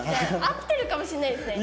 合ってるかもしれないですね